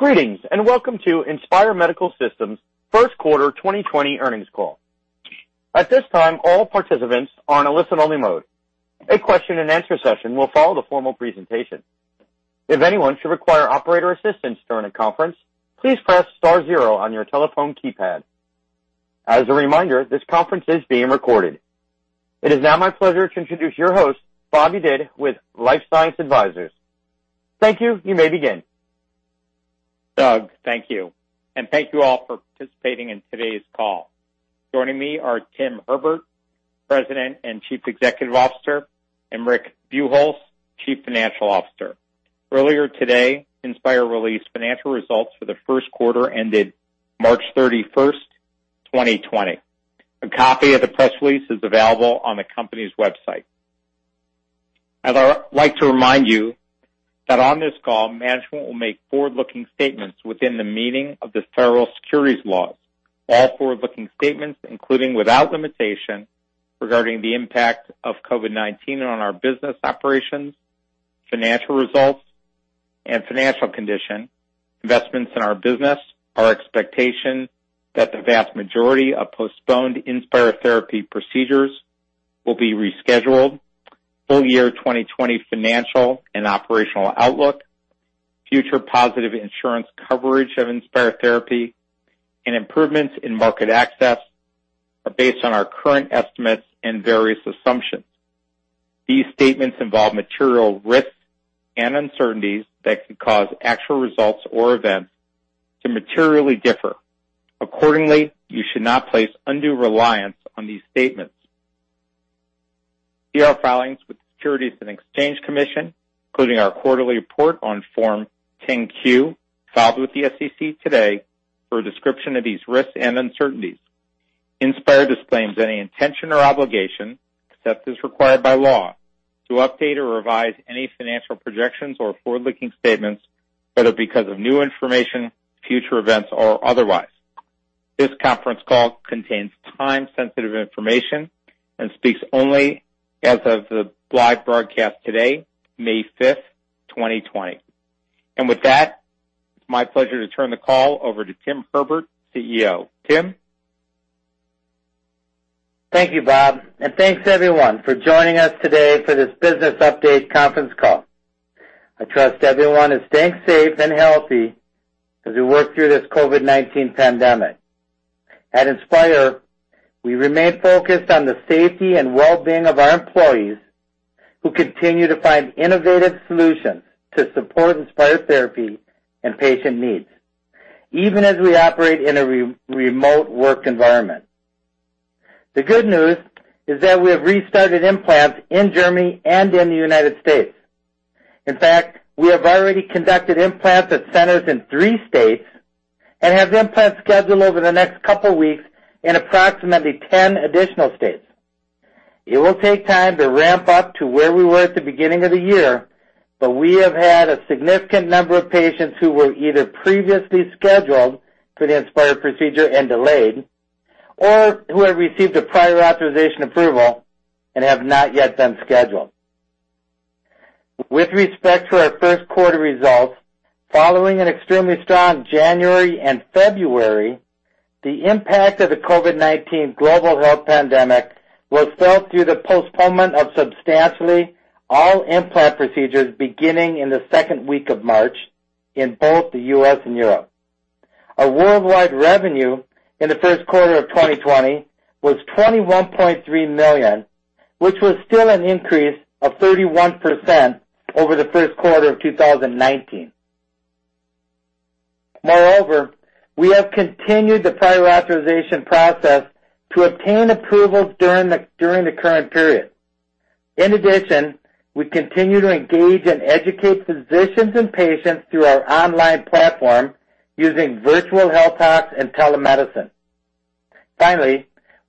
Greetings, welcome to Inspire Medical Systems' first quarter 2020 earnings call. At this time, all participants are in a listen-only mode. A question and answer session will follow the formal presentation. If anyone should require operator assistance during the conference, please press star zero on your telephone keypad. As a reminder, this conference is being recorded. It is now my pleasure to introduce your host, Bob Yedid, with LifeSci Advisors. Thank you. You may begin. Doug, thank you, and thank you all for participating in today's call. Joining me are Tim Herbert, President and Chief Executive Officer, and Rick Buchholz, Chief Financial Officer. Earlier today, Inspire released financial results for the first quarter ended March 31st, 2020. A copy of the press release is available on the company's website. I'd like to remind you that on this call, management will make forward-looking statements within the meaning of the federal securities laws. All forward-looking statements, including, without limitation, regarding the impact of COVID-19 on our business operations, financial results, and financial condition, investments in our business, our expectation that the vast majority of postponed Inspire therapy procedures will be rescheduled, full year 2020 financial and operational outlook, future positive insurance coverage of Inspire therapy, and improvements in market access, are based on our current estimates and various assumptions. These statements involve material risks and uncertainties that could cause actual results or events to materially differ. Accordingly, you should not place undue reliance on these statements. See our filings with the Securities and Exchange Commission, including our quarterly report on Form 10-Q, filed with the SEC today for a description of these risks and uncertainties. Inspire disclaims any intention or obligation, except as required by law, to update or revise any financial projections or forward-looking statements that are because of new information, future events, or otherwise. This conference call contains time-sensitive information and speaks only as of the live broadcast today, May 5th, 2020. With that, it's my pleasure to turn the call over to Tim Herbert, CEO. Tim? Thank you, Bob, and thanks, everyone, for joining us today for this business update conference call. I trust everyone is staying safe and healthy as we work through this COVID-19 pandemic. At Inspire, we remain focused on the safety and well-being of our employees who continue to find innovative solutions to support Inspire therapy and patient needs, even as we operate in a remote work environment. The good news is that we have restarted implants in Germany and in the United States. In fact, we have already conducted implants at centers in three states and have implants scheduled over the next couple of weeks in approximately 10 additional states. It will take time to ramp up to where we were at the beginning of the year, but we have had a significant number of patients who were either previously scheduled for the Inspire procedure and delayed or who have received a prior authorization approval and have not yet been scheduled. With respect to our first quarter results, following an extremely strong January and February, the impact of the COVID-19 global health pandemic was felt through the postponement of substantially all implant procedures beginning in the second week of March in both the U.S. and Europe. Our worldwide revenue in the first quarter of 2020 was $21.3 million, which was still an increase of 31% over the first quarter of 2019. Moreover, we have continued the prior authorization process to obtain approvals during the current period. We continue to engage and educate physicians and patients through our online platform using virtual health talks and telemedicine.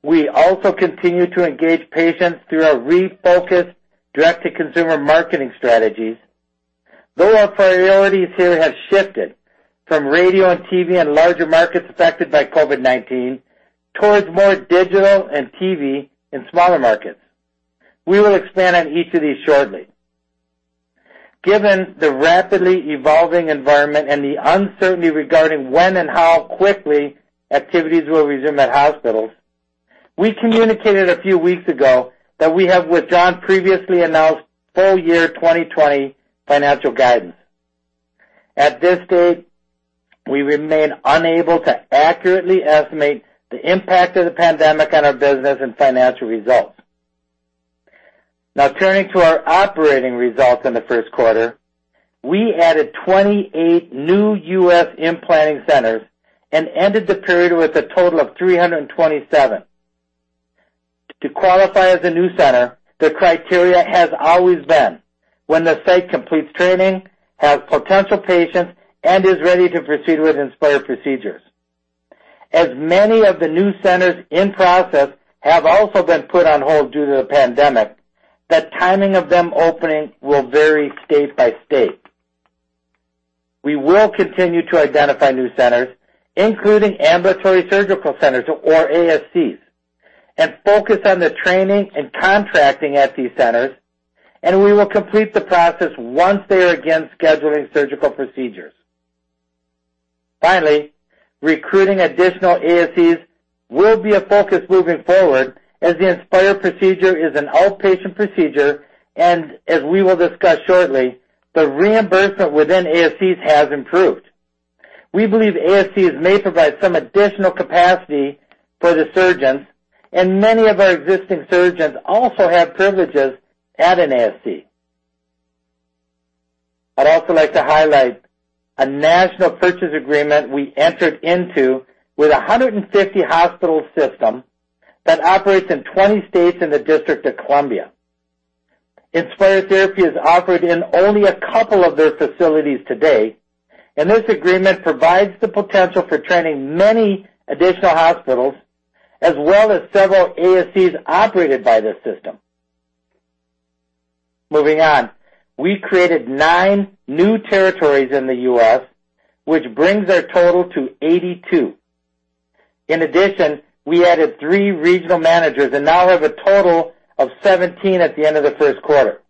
We also continue to engage patients through our refocused direct-to-consumer marketing strategies, though our priorities here have shifted from radio and TV in larger markets affected by COVID-19 towards more digital and TV in smaller markets. We will expand on each of these shortly. Given the rapidly evolving environment and the uncertainty regarding when and how quickly activities will resume at hospitals, we communicated a few weeks ago that we have withdrawn previously announced full year 2020 financial guidance. At this stage, we remain unable to accurately estimate the impact of the pandemic on our business and financial results. Turning to our operating results in the first quarter. We added 28 new U.S. implanting centers and ended the period with a total of 327. To qualify as a new center, the criteria has always been when the site completes training, has potential patients, and is ready to proceed with Inspire procedures. As many of the new centers in process have also been put on hold due to the pandemic, the timing of them opening will vary state by state. We will continue to identify new centers, including Ambulatory Surgical Centers or ASCs. Focus on the training and contracting at these centers, and we will complete the process once they are again scheduling surgical procedures. Finally, recruiting additional ASCs will be a focus moving forward as the Inspire procedure is an outpatient procedure, and as we will discuss shortly, the reimbursement within ASCs has improved. We believe ASCs may provide some additional capacity for the surgeons, and many of our existing surgeons also have privileges at an ASC. I'd also like to highlight a national purchase agreement we entered into with 150 hospital system that operates in 20 states in the District of Columbia. Inspire therapy is offered in only a couple of their facilities today. This agreement provides the potential for training many additional hospitals, as well as several ASCs operated by this system. Moving on. We created nine new territories in the U.S., which brings our total to 82. In addition, we added three regional managers, and now we have a total of 17 at the end of the first quarter.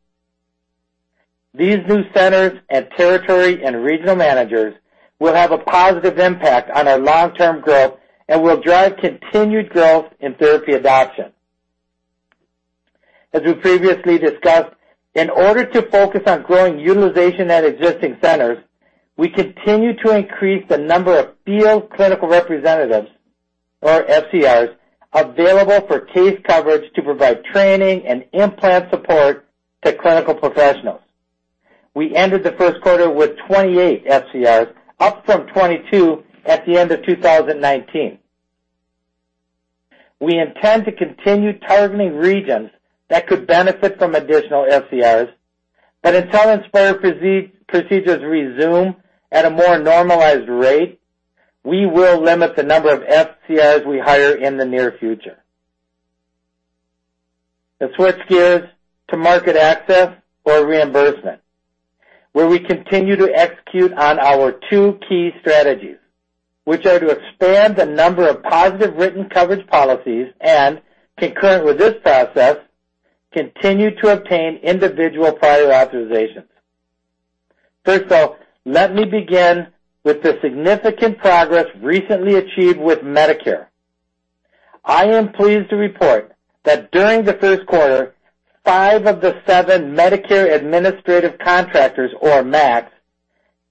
These new centers and territory and regional managers will have a positive impact on our long-term growth and will drive continued growth in therapy adoption. As we previously discussed, in order to focus on growing utilization at existing centers, we continue to increase the number of Field Clinical Representatives, or FCRs, available for case coverage to provide training and implant support to clinical professionals. We ended the first quarter with 28 FCRs, up from 22 at the end of 2019. Until Inspire procedures resume at a more normalized rate, we will limit the number of FCRs we hire in the near future. Let's switch gears to market access or reimbursement, where we continue to execute on our two key strategies, which are to expand the number of positive written coverage policies and concurrent with this process, continue to obtain individual prior authorizations. First of, let me begin with the significant progress recently achieved with Medicare. I am pleased to report that during the first quarter, five of the seven Medicare Administrative Contractors, or MACs,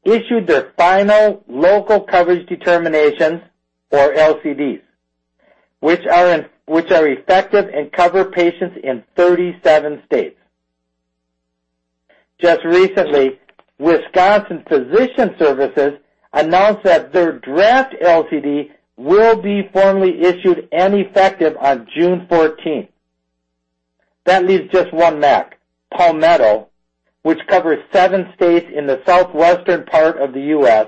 issued their final Local Coverage Determinations, or LCDs, which are effective and cover patients in 37 states. Just recently, Wisconsin Physicians Service announced that their draft LCD will be formally issued and effective on June 14th. That leaves just one MAC, Palmetto, which covers seven states in the southwestern part of the U.S.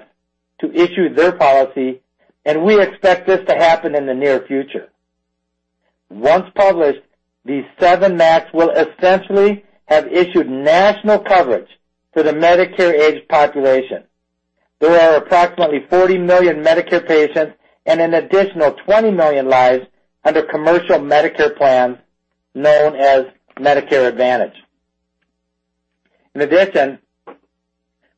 to issue their policy, and we expect this to happen in the near future. Once published, these seven MACs will essentially have issued national coverage to the Medicare age population. There are approximately 40 million Medicare patients and an additional 20 million lives under commercial Medicare plans known as Medicare Advantage. In addition,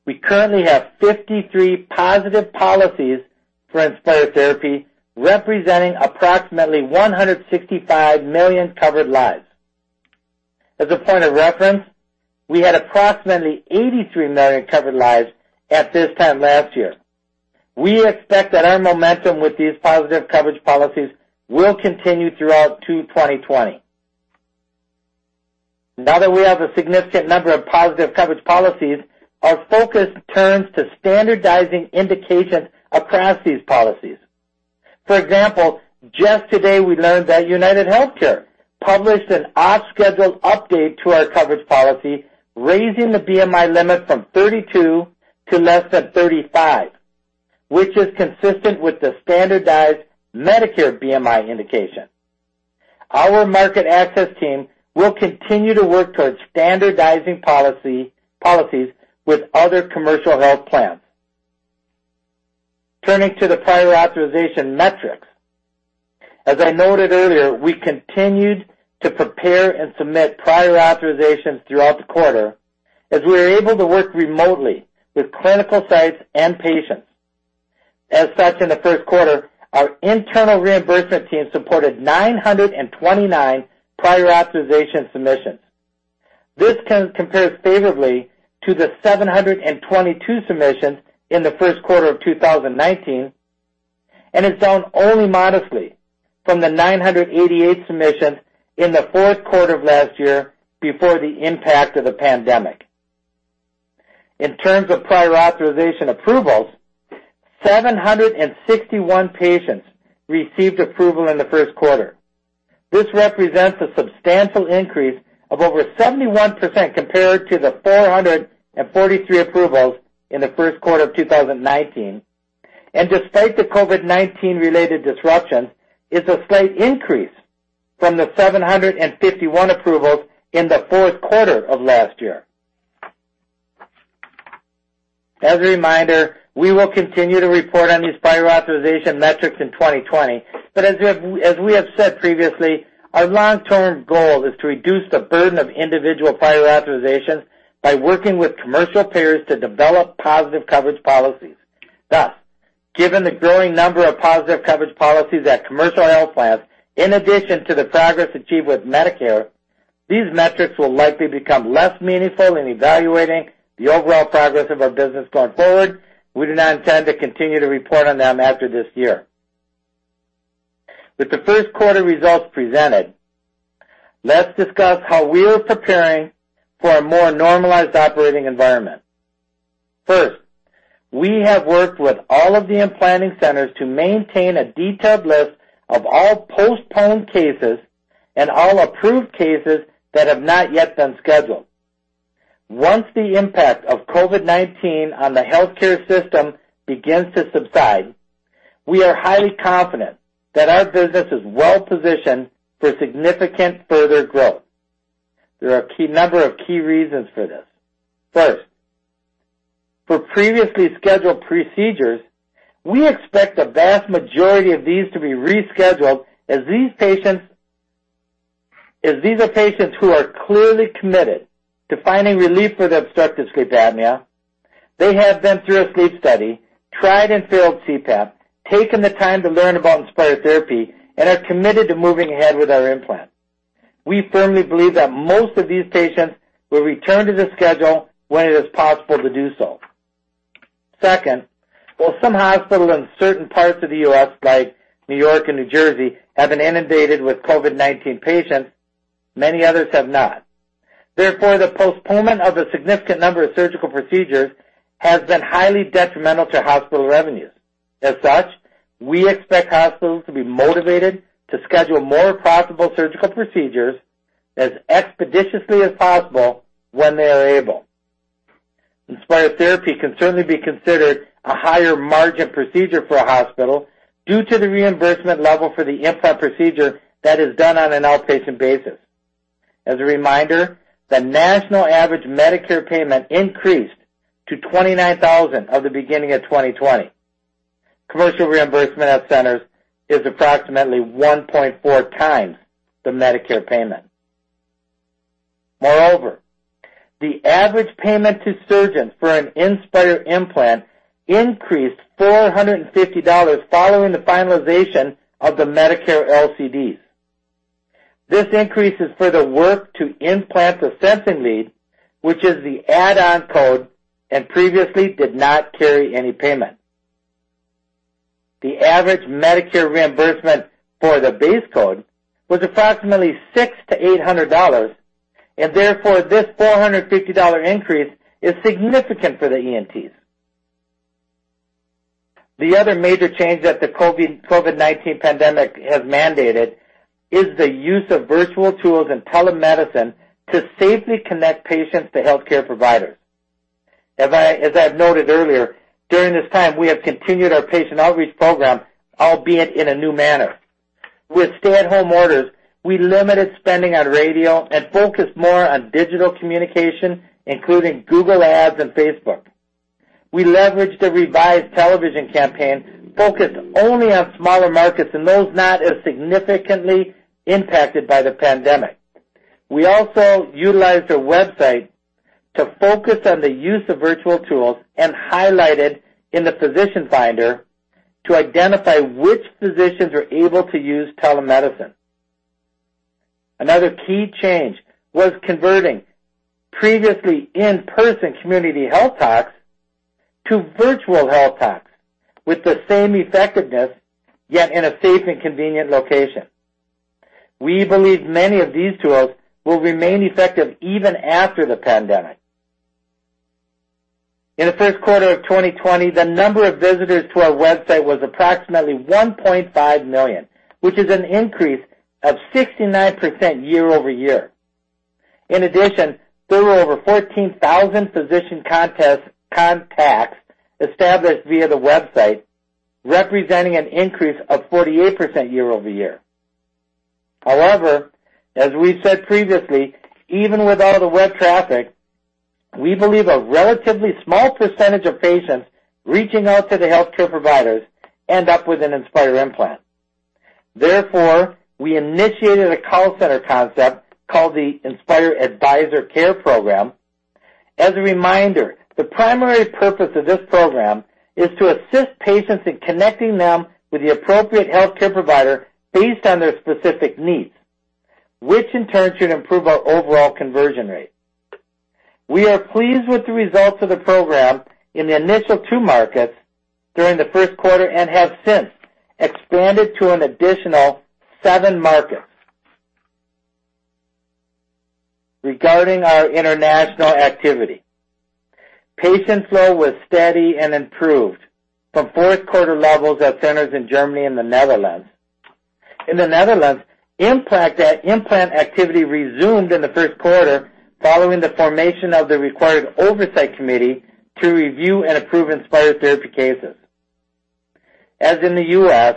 we currently have 53 positive policies for Inspire therapy, representing approximately 165 million covered lives. As a point of reference, we had approximately 83 million covered lives at this time last year. We expect that our momentum with these positive coverage policies will continue throughout 2020. Now that we have a significant number of positive coverage policies, our focus turns to standardizing indications across these policies. For example, just today, we learned that UnitedHealthcare published an off-scheduled update to our coverage policy, raising the BMI limit from 32 to less than 35, which is consistent with the standardized Medicare BMI indication. Our market access team will continue to work towards standardizing policies with other commercial health plans. Turning to the prior authorization metrics. As I noted earlier, we continued to prepare and submit prior authorizations throughout the quarter as we were able to work remotely with clinical sites and patients. As such, in the first quarter, our internal reimbursement team supported 929 prior authorization submissions. This compares favorably to the 722 submissions in the first quarter of 2019, and it's down only modestly from the 988 submissions in the fourth quarter of last year before the impact of the pandemic. In terms of prior authorization approvals, 761 patients received approval in the first quarter. This represents a substantial increase of over 71% compared to the 443 approvals in the first quarter of 2019. Despite the COVID-19 related disruptions, it's a slight increase from the 751 approvals in the fourth quarter of last year. As a reminder, we will continue to report on these prior authorization metrics in 2020. As we have said previously, our long-term goal is to reduce the burden of individual prior authorizations by working with commercial payers to develop positive coverage policies. Thus, given the growing number of positive coverage policies at commercial health plans, in addition to the progress achieved with Medicare, these metrics will likely become less meaningful in evaluating the overall progress of our business going forward. We do not intend to continue to report on them after this year. With the first quarter results presented, let's discuss how we are preparing for a more normalized operating environment. First, we have worked with all of the implanting centers to maintain a detailed list of all postponed cases and all approved cases that have not yet been scheduled. Once the impact of COVID-19 on the healthcare system begins to subside, we are highly confident that our business is well positioned for significant further growth. There are a number of key reasons for this. For previously scheduled procedures, we expect the vast majority of these to be rescheduled as these are patients who are clearly committed to finding relief for their obstructive sleep apnea. They have been through a sleep study, tried and failed CPAP, taken the time to learn about Inspire therapy, and are committed to moving ahead with our implant. We firmly believe that most of these patients will return to the schedule when it is possible to do so. While some hospitals in certain parts of the U.S., like New York and New Jersey, have been inundated with COVID-19 patients, many others have not. The postponement of a significant number of surgical procedures has been highly detrimental to hospital revenues. We expect hospitals to be motivated to schedule more profitable surgical procedures as expeditiously as possible when they are able. Inspire therapy can certainly be considered a higher margin procedure for a hospital due to the reimbursement level for the implant procedure that is done on an outpatient basis. As a reminder, the national average Medicare payment increased to $29,000 at the beginning of 2020. Commercial reimbursement at centers is approximately 1.4 times the Medicare payment. Moreover, the average payment to surgeons for an Inspire implant increased $450 following the finalization of the Medicare LCDs. This increase is for the work to implant the sensing lead, which is the add-on code and previously did not carry any payment. The average Medicare reimbursement for the base code was approximately $600-$800, and therefore, this $450 increase is significant for the ENTs. The other major change that the COVID-19 pandemic has mandated is the use of virtual tools and telemedicine to safely connect patients to healthcare providers. As I have noted earlier, during this time, we have continued our patient outreach program, albeit in a new manner. With stay-at-home orders, we limited spending on radio and focused more on digital communication, including Google Ads and Facebook. We leveraged a revised television campaign focused only on smaller markets and those not as significantly impacted by the pandemic. We also utilized our website to focus on the use of virtual tools and highlight it in the physician finder to identify which physicians are able to use telemedicine. Another key change was converting previously in-person community health talks to virtual health talks with the same effectiveness, yet in a safe and convenient location. We believe many of these tools will remain effective even after the pandemic. In the first quarter of 2020, the number of visitors to our website was approximately 1.5 million, which is an increase of 69% year-over-year. In addition, there were over 14,000 physician contacts established via the website, representing an increase of 48% year-over-year. However, as we said previously, even with all the web traffic, we believe a relatively small percentage of patients reaching out to the healthcare providers end up with an Inspire implant. Therefore, we initiated a call center concept called the Inspire Advisor Care Program. As a reminder, the primary purpose of this program is to assist patients in connecting them with the appropriate healthcare provider based on their specific needs, which in turn should improve our overall conversion rate. We are pleased with the results of the program in the initial two markets during the first quarter and have since expanded to an additional seven markets. Regarding our international activity, patient flow was steady and improved from fourth quarter levels at centers in Germany and the Netherlands. In the Netherlands, implant activity resumed in the first quarter following the formation of the required oversight committee to review and approve Inspire therapy cases. As in the U.S.,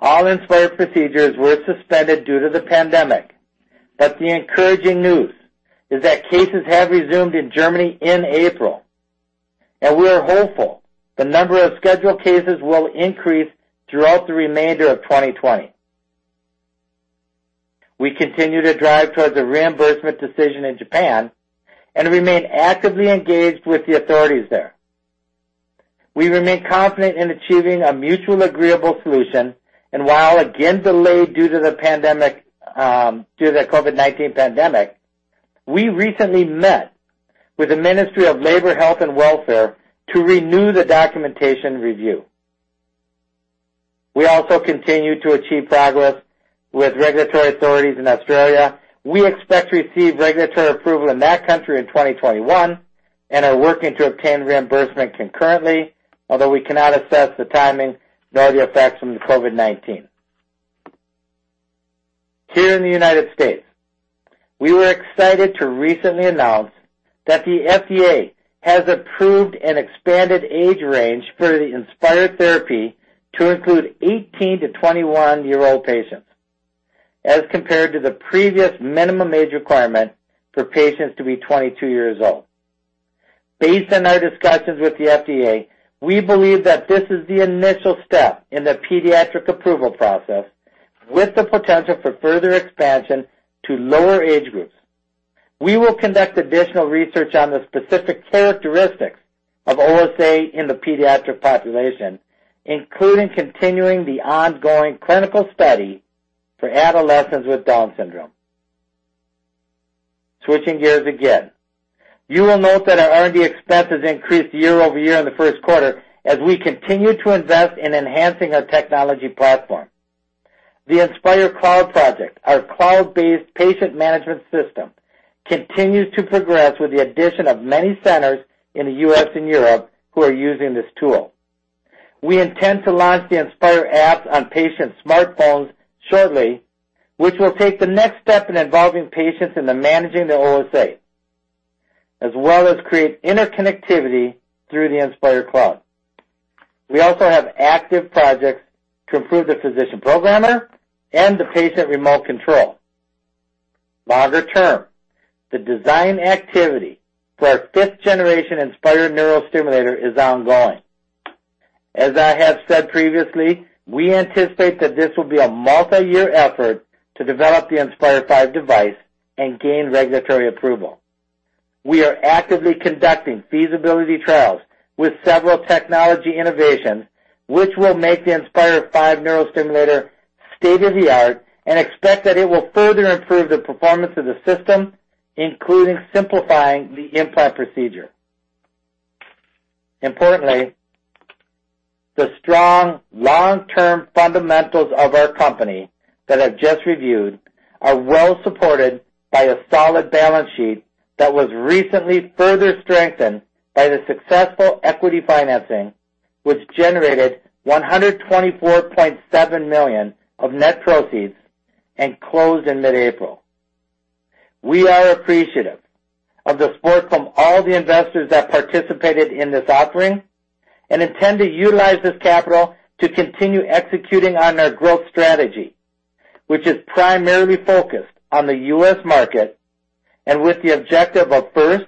all Inspire procedures were suspended due to the pandemic. The encouraging news is that cases have resumed in Germany in April, and we are hopeful the number of scheduled cases will increase throughout the remainder of 2020. We continue to drive towards a reimbursement decision in Japan and remain actively engaged with the authorities there. We remain confident in achieving a mutually agreeable solution, and while again delayed due to the COVID-19 pandemic, we recently met with the Ministry of Health, Labour and Welfare to renew the documentation review. We also continue to achieve progress with regulatory authorities in Australia. We expect to receive regulatory approval in that country in 2021 and are working to obtain reimbursement concurrently, although we cannot assess the timing nor the effects from the COVID-19. Here in the United States, we were excited to recently announce that the FDA has approved an expanded age range for the Inspire therapy to include 18 to 21-year-old patients, as compared to the previous minimum age requirement for patients to be 22 years old. Based on our discussions with the FDA, we believe that this is the initial step in the pediatric approval process with the potential for further expansion to lower age groups. We will conduct additional research on the specific characteristics of OSA in the pediatric population, including continuing the ongoing clinical study for adolescents with Down syndrome. Switching gears again. You will note that our R&D expenses increased year-over-year in the first quarter as we continued to invest in enhancing our technology platform. The Inspire Cloud Project, our cloud-based patient management system, continues to progress with the addition of many centers in the U.S. and Europe who are using this tool. We intend to launch the Inspire apps on patients' smartphones shortly, which will take the next step in involving patients in the managing their OSA, as well as create interconnectivity through the Inspire Cloud. We also have active projects to improve the physician programmer and the patient remote control. Longer term, the design activity for our fifth-generation Inspire neurostimulator is ongoing. As I have said previously, we anticipate that this will be a multi-year effort to develop the Inspire V device and gain regulatory approval. We are actively conducting feasibility trials with several technology innovations, which will make the Inspire five neurostimulator state-of-the-art and expect that it will further improve the performance of the system, including simplifying the implant procedure. Importantly, the strong long-term fundamentals of our company that I've just reviewed are well supported by a solid balance sheet that was recently further strengthened by the successful equity financing, which generated $124.7 million of net proceeds and closed in mid-April. We are appreciative of the support from all the investors that participated in this offering and intend to utilize this capital to continue executing on our growth strategy, which is primarily focused on the U.S. market and with the objective of, first,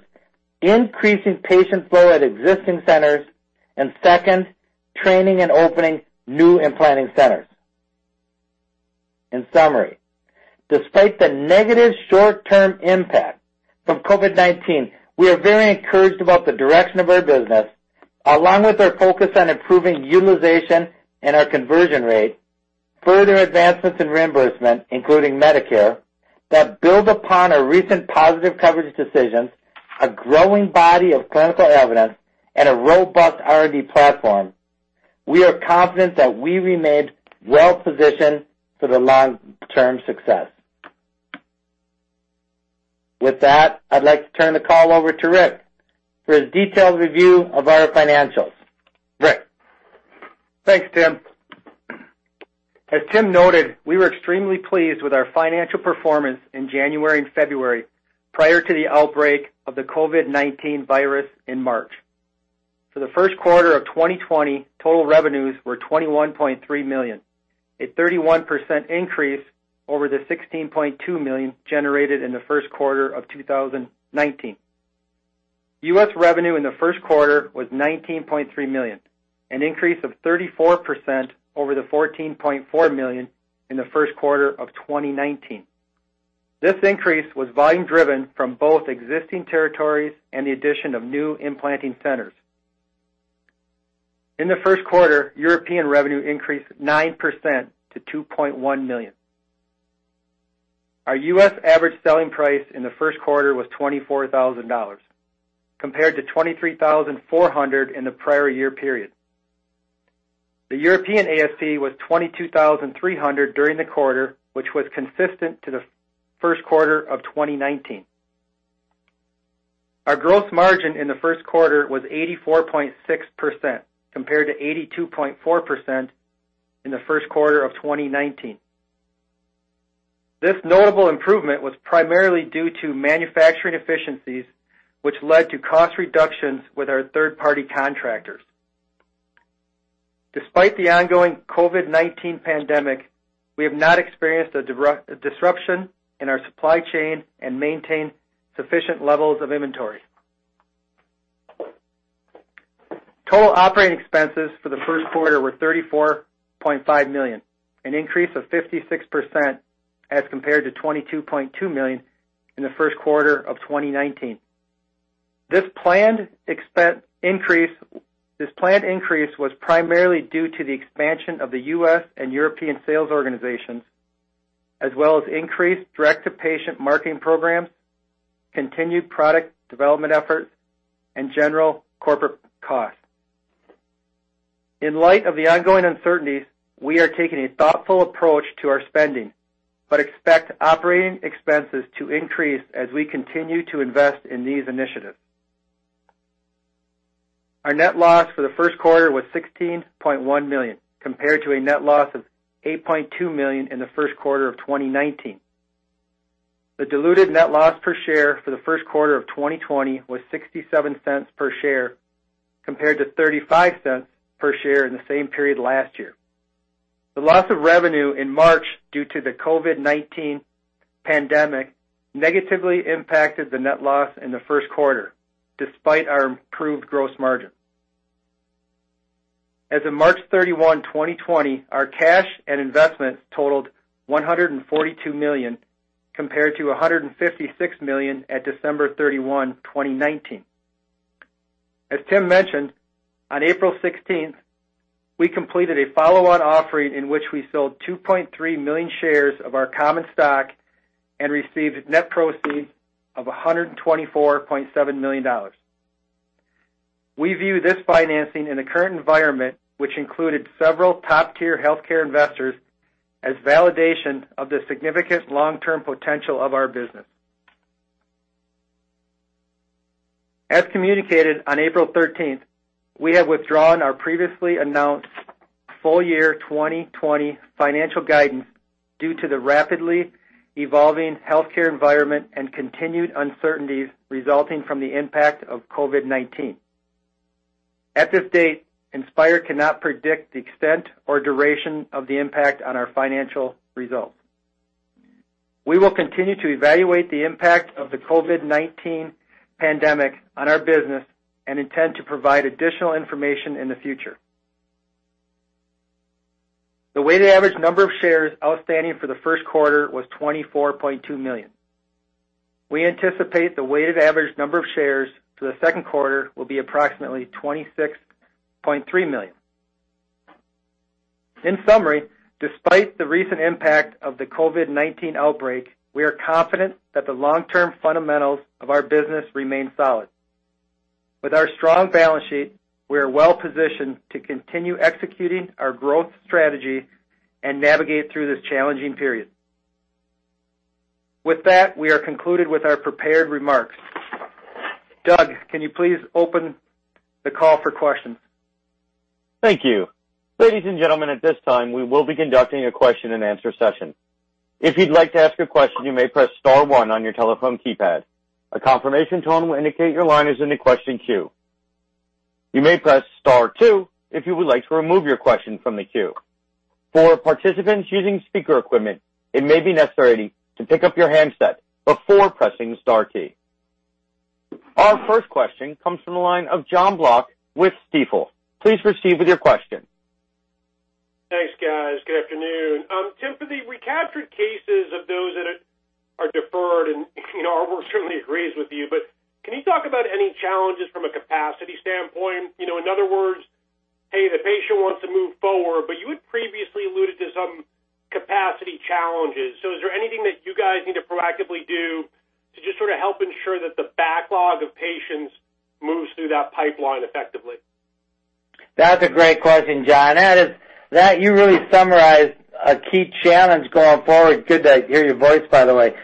increasing patient flow at existing centers, and second, training and opening new implanting centers. In summary, despite the negative short-term impact from COVID-19, we are very encouraged about the direction of our business, along with our focus on improving utilization and our conversion rate, further advancements in reimbursement, including Medicare, that build upon our recent positive coverage decisions, a growing body of clinical evidence, and a robust R&D platform. We are confident that we remain well positioned for the long-term success. With that, I'd like to turn the call over to Rick for his detailed review of our financials. Rick? Thanks, Tim. As Tim noted, we were extremely pleased with our financial performance in January and February prior to the outbreak of the COVID-19 virus in March. For the first quarter of 2020, total revenues were $21.3 million, a 31% increase over the $16.2 million generated in the first quarter of 2019. U.S. revenue in the first quarter was $19.3 million, an increase of 34% over the $14.4 million in the first quarter of 2019. This increase was volume driven from both existing territories and the addition of new implanting centers. In the first quarter, European revenue increased 9% to $2.1 million. Our U.S. average selling price in the first quarter was $24,000, compared to $23,400 in the prior year period. The European ASP was $22,300 during the quarter, which was consistent to the first quarter of 2019. Our gross margin in the first quarter was 84.6%, compared to 82.4% in the first quarter of 2019. This notable improvement was primarily due to manufacturing efficiencies, which led to cost reductions with our third-party contractors. Despite the ongoing COVID-19 pandemic, we have not experienced a disruption in our supply chain and maintain sufficient levels of inventory. Total operating expenses for the first quarter were $34.5 million, an increase of 56% as compared to $22.2 million in the first quarter of 2019. This planned increase was primarily due to the expansion of the U.S. and European sales organizations, as well as increased direct-to-patient marketing programs, continued product development efforts, and general corporate costs. In light of the ongoing uncertainties, we are taking a thoughtful approach to our spending, but expect operating expenses to increase as we continue to invest in these initiatives. Our net loss for the first quarter was $16.1 million, compared to a net loss of $8.2 million in the first quarter of 2019. The diluted net loss per share for the first quarter of 2020 was $0.67 per share, compared to $0.35 per share in the same period last year. The loss of revenue in March due to the COVID-19 pandemic negatively impacted the net loss in the first quarter, despite our improved gross margin. As of March 31, 2020, our cash and investments totaled $142 million, compared to $156 million at December 31, 2019. As Tim mentioned, on April 16th, we completed a follow-on offering in which we sold 2.3 million shares of our common stock and received net proceeds of $124.7 million. We view this financing in the current environment, which included several top-tier healthcare investors, as validation of the significant long-term potential of our business. As communicated on April 13th, we have withdrawn our previously announced full year 2020 financial guidance due to the rapidly evolving healthcare environment and continued uncertainties resulting from the impact of COVID-19. At this date, Inspire cannot predict the extent or duration of the impact on our financial results. We will continue to evaluate the impact of the COVID-19 pandemic on our business and intend to provide additional information in the future. The weighted average number of shares outstanding for the first quarter was 24.2 million. We anticipate the weighted average number of shares for the second quarter will be approximately 26.3 million. In summary, despite the recent impact of the COVID-19 outbreak, we are confident that the long-term fundamentals of our business remain solid. With our strong balance sheet, we are well positioned to continue executing our growth strategy and navigate through this challenging period. With that, we are concluded with our prepared remarks. Doug, can you please open the call for questions? Thank you. Ladies and gentlemen, at this time, we will be conducting a question and answer session. If you would like to ask a question, you may press star one on your telephone keypad. A confirmation tone will indicate your line is in the question queue. You may press star two if you would like to remove your question from the queue. For participants using speaker equipment, it may be necessary to pick up your handset before pressing the star key. Our first question comes from the line of Jon Block with Stifel. Please proceed with your question. Thanks, guys. Good afternoon. Tim, for the recaptured cases of those that are deferred, and our work certainly agrees with you, but can you talk about any challenges from a capacity standpoint? In other words, hey, the patient wants to move forward, but you had previously alluded to some capacity challenges. Is there anything that you guys need to proactively do to just sort of help ensure that the backlog of patients moves through that pipeline effectively? That's a great question, Jon. You really summarized a key challenge going forward. Good to hear your voice, by the way.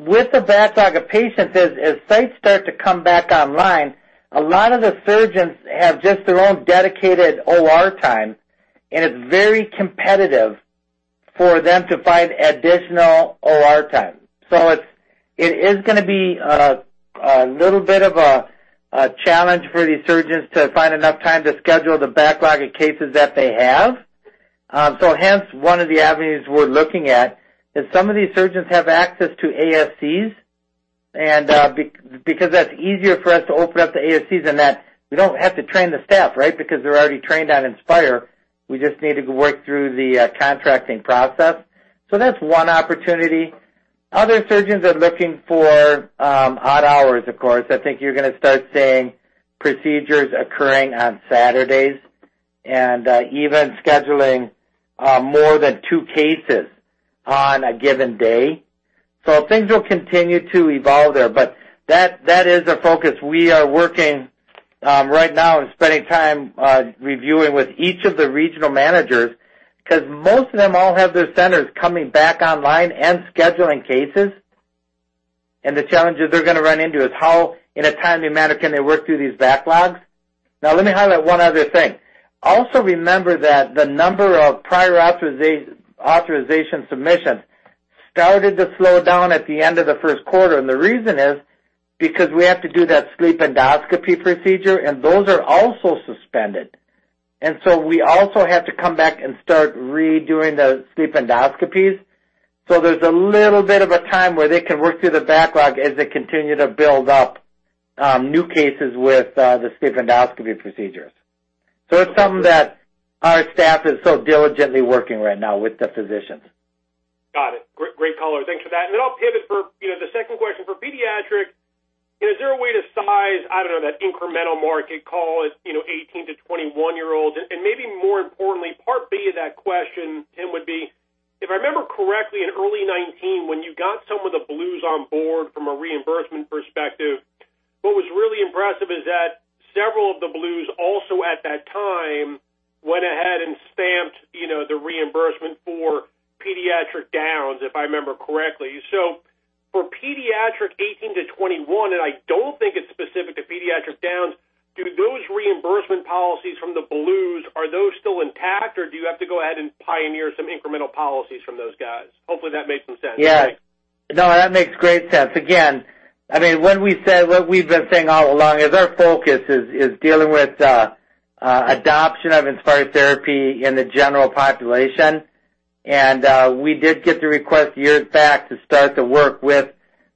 With the backlog of patients is, as sites start to come back online, a lot of the surgeons have just their own dedicated OR time, and it's very competitive for them to find additional OR time. It is going to be a little bit of a challenge for these surgeons to find enough time to schedule the backlog of cases that they have. Hence, one of the avenues we're looking at is some of these surgeons have access to ASCs, and because that's easier for us to open up the ASCs than that we don't have to train the staff, right? Because they're already trained on Inspire. We just need to work through the contracting process. That's one opportunity. Other surgeons are looking for odd hours, of course. I think you're going to start seeing procedures occurring on Saturdays and even scheduling more than two cases on a given day. Things will continue to evolve there. That is a focus. We are working right now and spending time reviewing with each of the regional managers because most of them all have their centers coming back online and scheduling cases. The challenges they're going to run into is how, in a timely manner, can they work through these backlogs? Let me highlight one other thing. Also remember that the number of prior authorization submissions started to slow down at the end of the first quarter. The reason is because we have to do that sleep endoscopy procedure, and those are also suspended. We also have to come back and start redoing the sleep endoscopies. There's a little bit of a time where they can work through the backlog as they continue to build up new cases with the sleep endoscopy procedures. It's something that our staff is so diligently working right now with the physicians. Got it. Great color. Thanks for that. I'll pivot for the second question. For pediatric, is there a way to size, I don't know, that incremental market, call it 18-21 year old? Maybe more importantly, part B of that question, Tim, would be, if I remember correctly, in early 2019, when you got some of the Blues on board from a reimbursement perspective, what was really impressive is that several of the Blues also at that time went ahead and stamped the reimbursement for pediatric Down syndrome, if I remember correctly. For pediatric 18-21, and I don't think it's specific to pediatric Down syndrome, do those reimbursement policies from the Blues, are those still intact, or do you have to go ahead and pioneer some incremental policies from those guys? Hopefully, that makes some sense. Thanks. Yeah. No, that makes great sense. What we've been saying all along is our focus is dealing with adoption of Inspire therapy in the general population. We did get the request years back to start to work with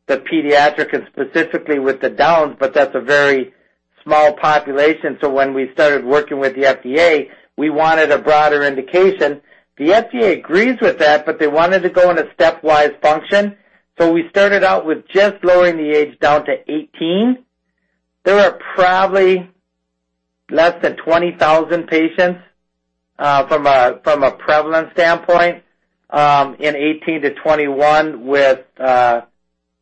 the pediatric and specifically with the Downs, but that's a very small population. When we started working with the FDA, we wanted a broader indication. The FDA agrees with that, but they wanted to go in a stepwise function. We started out with just lowering the age down to 18. There are probably less than 20,000 patients, from a prevalence standpoint, in 18 to 21 with our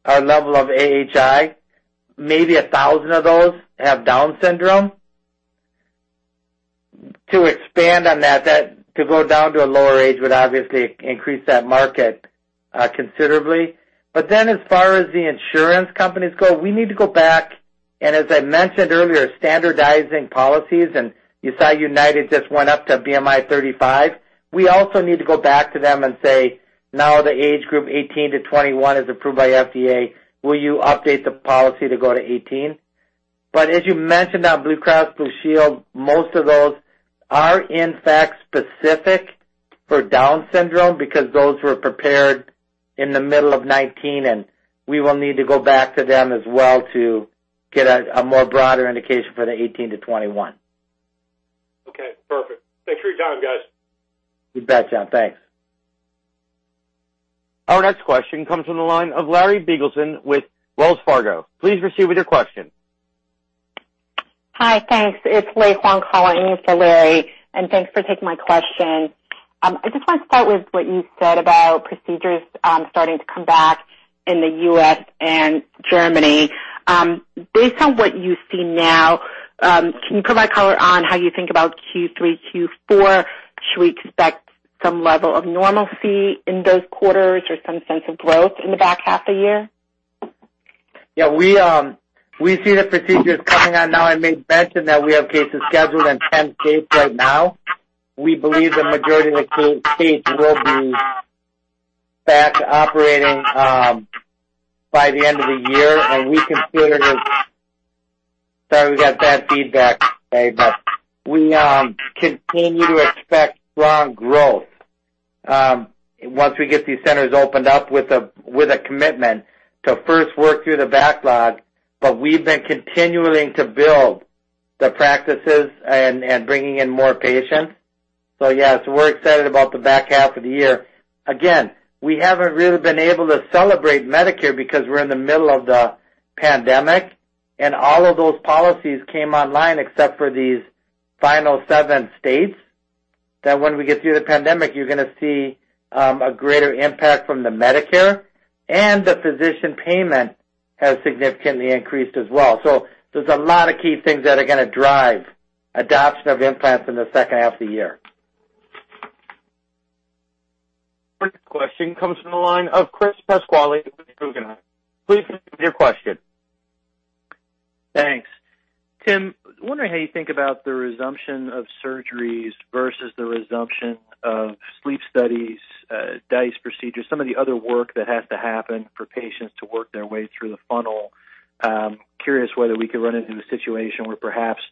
level of AHI. Maybe 1,000 of those have Down syndrome. To expand on that, to go down to a lower age would obviously increase that market considerably. As far as the insurance companies go, we need to go back and, as I mentioned earlier, standardizing policies. You saw UnitedHealthcare just went up to BMI 35. We also need to go back to them and say, "Now the age group 18 to 21 is approved by FDA. Will you update the policy to go to 18?" As you mentioned, on Blue Cross Blue Shield, most of those are in fact specific for Down syndrome because those were prepared in the middle of 2019, and we will need to go back to them as well to get a more broader indication for the 18 to 21. Okay, perfect. Thanks for your time, guys. You bet, Jon. Thanks. Our next question comes from the line of Larry Biegelsen with Wells Fargo. Please proceed with your question. Hi. Thanks. It's Lei Huang calling in for Larry, and thanks for taking my question. I just want to start with what you said about procedures starting to come back in the U.S. and Germany. Based on what you see now, can you provide color on how you think about Q3, Q4? Should we expect some level of normalcy in those quarters or some sense of growth in the back half of the year? Yeah. We see the procedures coming on now. I made mention that we have cases scheduled in 10 states right now. We believe the majority of the states will be back operating by the end of the year. Sorry, we got bad feedback today. We continue to expect strong growth once we get these centers opened up with a commitment to first work through the backlog. We've been continuing to build the practices and bringing in more patients. Yes, we're excited about the back half of the year. Again, we haven't really been able to celebrate Medicare because we're in the middle of the pandemic. All of those policies came online except for these final seven states. When we get through the pandemic, you're going to see a greater impact from the Medicare, and the physician payment has significantly increased as well. There's a lot of key things that are going to drive adoption of implants in the second half of the year. Our next question comes from the line of Chris Pasquale with Guggenheim. Please proceed with your question. Thanks. Tim, wondering how you think about the resumption of surgeries versus the resumption of sleep studies, DISE procedures, some of the other work that has to happen for patients to work their way through the funnel. Curious whether we could run into a situation where perhaps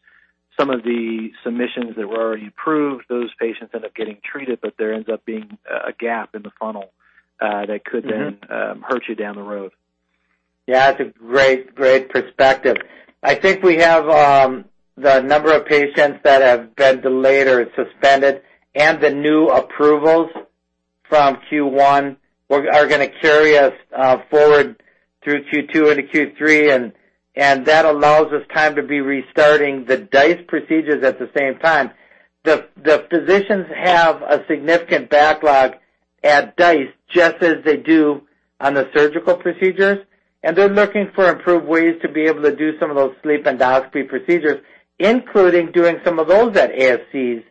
some of the submissions that were already approved, those patients end up getting treated, but there ends up being a gap in the funnel that could then hurt you down the road. Yeah. That's a great perspective. I think we have the number of patients that have been delayed or suspended and the new approvals from Q1 are going to carry us forward through Q2 into Q3. That allows us time to be restarting the DISE procedures at the same time. The physicians have a significant backlog at DISE, just as they do on the surgical procedures. They're looking for improved ways to be able to do some of those sleep endoscopy procedures, including doing some of those at ASCs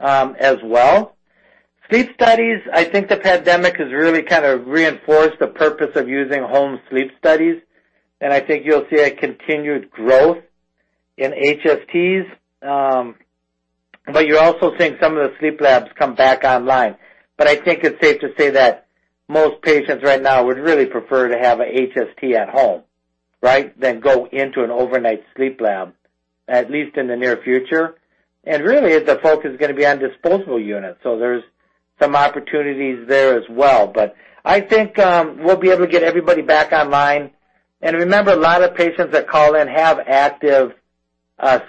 as well. Sleep studies, I think the pandemic has really kind of reinforced the purpose of using home sleep studies. I think you'll see a continued growth in HSTs. You're also seeing some of the sleep labs come back online. I think it's safe to say that most patients right now would really prefer to have a HST at home, than go into an overnight sleep lab, at least in the near future. Really, the focus is going to be on disposable units, so there's some opportunities there as well. I think we'll be able to get everybody back online. Remember, a lot of patients that call in have active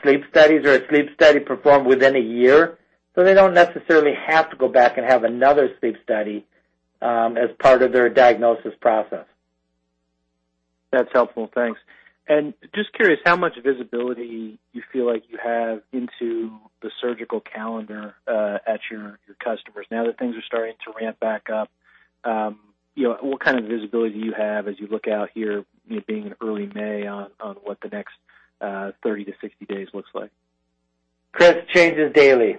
sleep studies or a sleep study performed within a year, so they don't necessarily have to go back and have another sleep study as part of their diagnosis process. That's helpful. Thanks. Just curious, how much visibility you feel like you have into the surgical calendar at your customers now that things are starting to ramp back up? What kind of visibility do you have as you look out here, being in early May, on what the next 30-60 days looks like? Chris, it changes daily.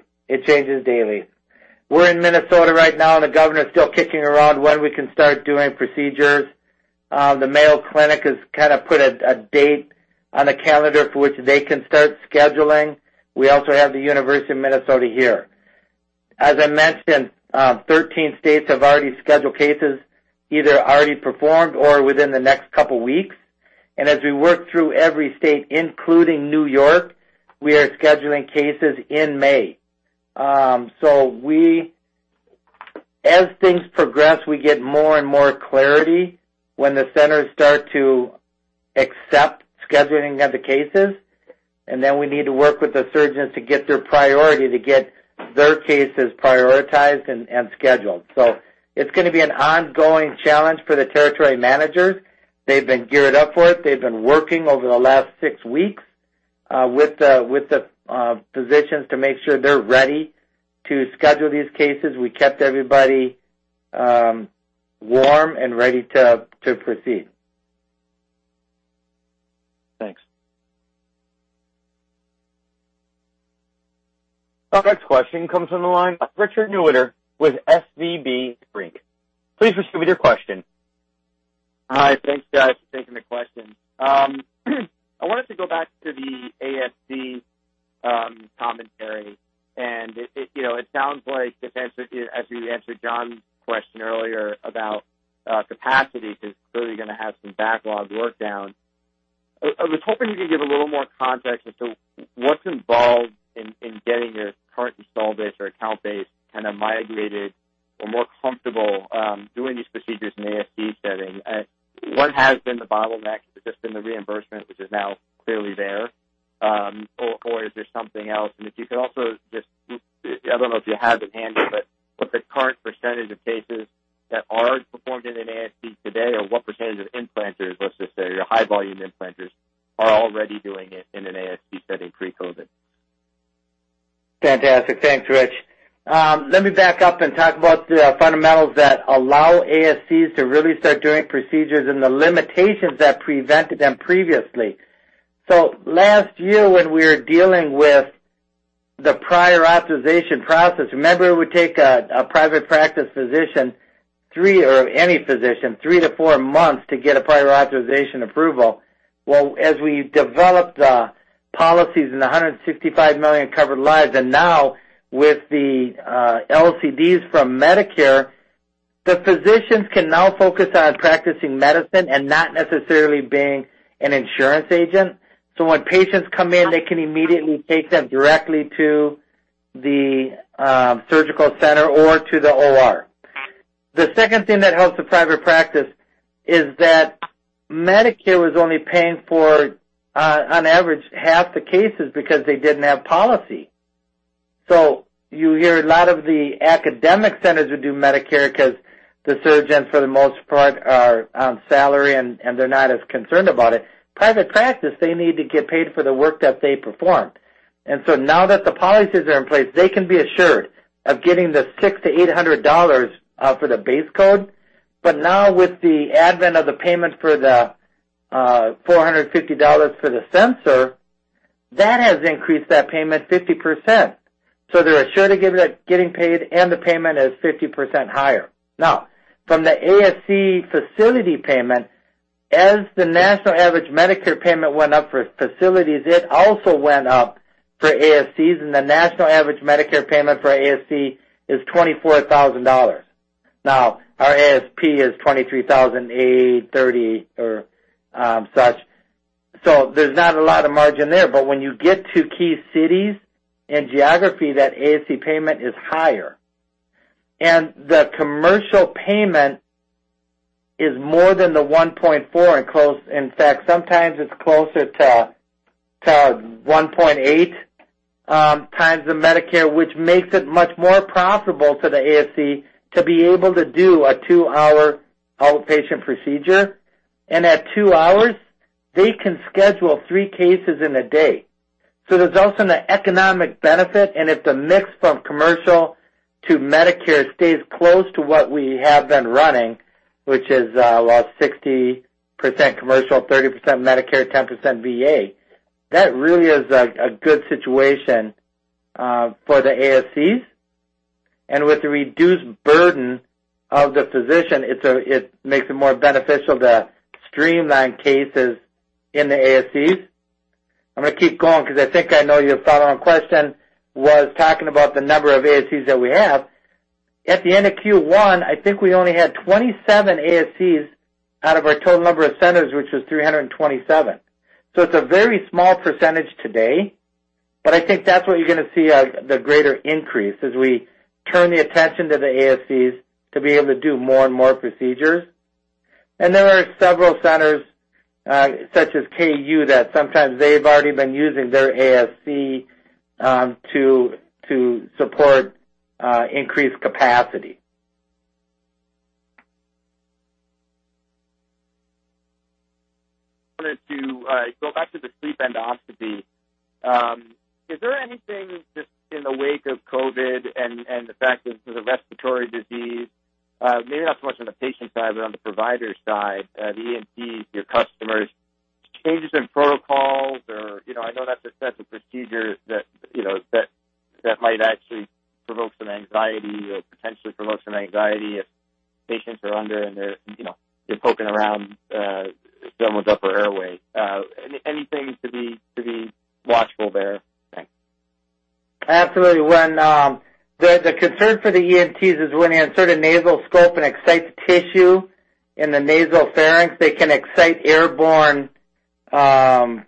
We're in Minnesota right now, the governor is still kicking around when we can start doing procedures. The Mayo Clinic has kind of put a date on the calendar for which they can start scheduling. We also have the University of Minnesota here. As I mentioned, 13 states have already scheduled cases, either already performed or within the next couple weeks. As we work through every state, including New York, we are scheduling cases in May. As things progress, we get more and more clarity when the centers start to accept scheduling of the cases, we need to work with the surgeons to get their priority to get their cases prioritized and scheduled. It's going to be an ongoing challenge for the territory managers. They've been geared up for it. They've been working over the last six weeks with the physicians to make sure they're ready to schedule these cases. We kept everybody warm and ready to proceed. Thanks. Our next question comes from the line of Richard Newitter with SVB Leerink. Please proceed with your question. Hi. Thanks, guys, for taking the question. I wanted to go back to the ASC commentary. It sounds like as you answered Jon's question earlier about capacity, because you're clearly going to have some backlog work down. I was hoping you could give a little more context into what's involved in getting your current install base or account base kind of migrated or more comfortable doing these procedures in ASC setting. What has been the bottleneck? Has this been the reimbursement, which is now clearly there? Is there something else? If you could also just I don't know if you have it handy, but what the current percentage of cases that are performed in an ASC today, or what percentage of implanters, let's just say, or high-volume implanters are already doing it in an ASC setting pre-COVID-19. Fantastic. Thanks, Rich. Let me back up and talk about the fundamentals that allow ASCs to really start doing procedures and the limitations that prevented them previously. Last year, when we were dealing with the prior authorization process, remember, it would take a private practice physician, or any physician, three to four months to get a prior authorization approval. As we developed the policies in the 165 million covered lives, and now with the LCDs from Medicare, the physicians can now focus on practicing medicine and not necessarily being an insurance agent. When patients come in, they can immediately take them directly to the surgical center or to the OR. The second thing that helps the private practice is that Medicare was only paying for, on average, half the cases because they didn't have policy. You hear a lot of the academic centers would do Medicare because the surgeons, for the most part, are on salary, and they're not as concerned about it. Private practice, they need to get paid for the work that they perform. Now that the policies are in place, they can be assured of getting the $600-$800 for the base code. Now with the advent of the payment for the $450 for the sensor, that has increased that payment 50%. They're assured of getting paid, and the payment is 50% higher. Now, from the ASC facility payment, as the national average Medicare payment went up for facilities, it also went up for ASCs, and the national average Medicare payment for ASC is $24,000. Now, our ASP is $23,830 or such. There's not a lot of margin there. When you get to key cities and geography, that ASC payment is higher. The commercial payment is more than the 1.4x. In fact, sometimes it's closer to 1.8x the Medicare, which makes it much more profitable to the ASC to be able to do a two-hour outpatient procedure. At two hours, they can schedule three cases in a day. There's also an economic benefit, and if the mix from commercial to Medicare stays close to what we have been running, which is 60% commercial, 30% Medicare, 10% VA. That really is a good situation for the ASCs. With the reduced burden of the physician, it makes it more beneficial to streamline cases in the ASCs. I'm going to keep going because I think I know your follow-on question was talking about the number of ASCs that we have. At the end of Q1, I think we only had 27 ASCs out of our total number of centers, which was 327. It's a very small percentage today, but I think that's what you're going to see the greater increase as we turn the attention to the ASCs to be able to do more and more procedures. There are several centers, such as KU, that sometimes they've already been using their ASC to support increased capacity. I wanted to go back to the sleep endoscopy. Is there anything, just in the wake of COVID-19 and the fact this is a respiratory disease, maybe not so much on the patient side, but on the provider side, the ENTs, your customers, changes in protocols or, I know that's a sensitive procedure that might actually provoke some anxiety or potentially provoke some anxiety if patients are under and they're poking around someone's upper airway. Anything to be watchful there? Thanks. Absolutely. The concern for the ENTs is when you insert a nasal scope and excite the tissue in the nasopharynx, they can excite airborne pathogens,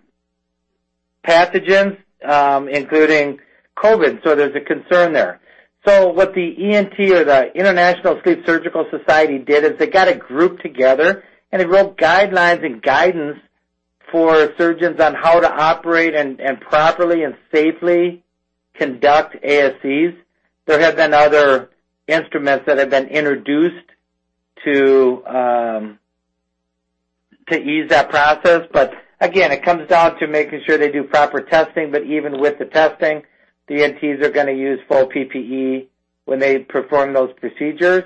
including COVID. There's a concern there. What the ENT or the International Surgical Sleep Society did is they got a group together, and they wrote guidelines and guidance for surgeons on how to operate and properly and safely conduct ASCs. There have been other instruments that have been introduced to ease that process. Again, it comes down to making sure they do proper testing. Even with the testing, the ENTs are going to use full PPE when they perform those procedures.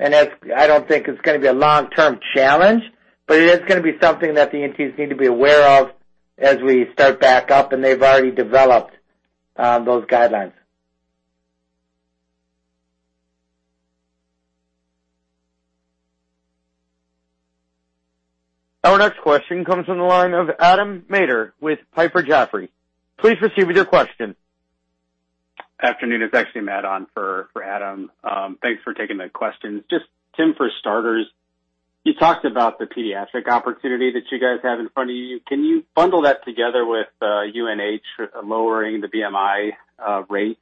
I don't think it's going to be a long-term challenge, but it is going to be something that the ENTs need to be aware of as we start back up, and they've already developed those guidelines. Our next question comes from the line of Adam Maeder with Piper Sandler. Please proceed with your question. Afternoon. It's actually Matt on for Adam. Thanks for taking the questions. Just Tim, for starters, you talked about the pediatric opportunity that you guys have in front of you. Can you bundle that together with UNH lowering the BMI rate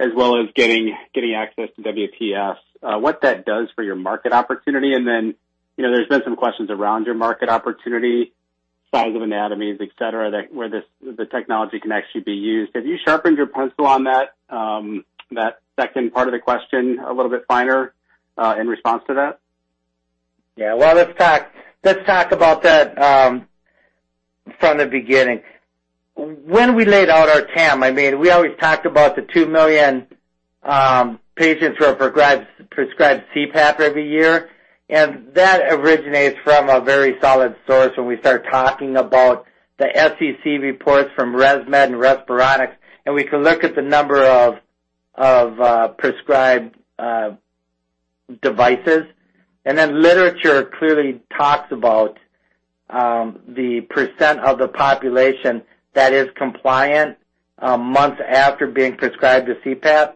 as well as getting access to WPS, what that does for your market opportunity? There's been some questions around your market opportunity, size of anatomies, et cetera, where the technology can actually be used. Have you sharpened your pencil on that second part of the question a little bit finer, in response to that? Yeah. Well, let's talk about that from the beginning. When we laid out our TAM, I mean, we always talked about the 2 million patients who are prescribed CPAP every year, and that originates from a very solid source when we start talking about the SEC reports from ResMed and Respironics, and we can look at the number of prescribed devices. Literature clearly talks about the percent of the population that is compliant months after being prescribed a CPAP.